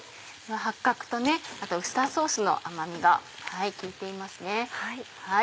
八角とあとウスターソースの甘みが効いていますね。